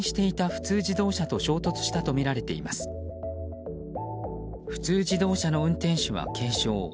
普通自動車の運転手は軽傷。